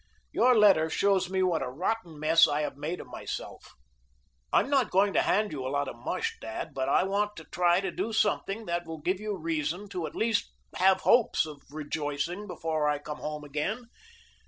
Your letter shows me what a rotten mess I have made of myself. I'm not going to hand you a lot of mush, dad, but I want to try to do something that will give you reason to at least have hopes of rejoicing before I come home again.